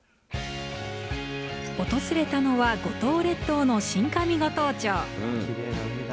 訪れたのは、五島列島の新上五島町。